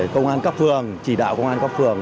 công an cấp phường chỉ đạo công an các phường